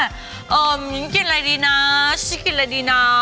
เก็บอะไรดีนะชิคกี้พายกินอะไรดีนะ